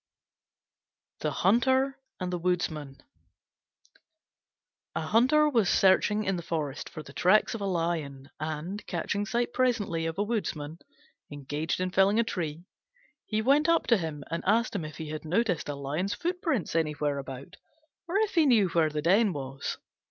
THE HUNTER AND THE WOODMAN A Hunter was searching in the forest for the tracks of a lion, and, catching sight presently of a Woodman engaged in felling a tree, he went up to him and asked him if he had noticed a lion's footprints anywhere about, or if he knew where his den was.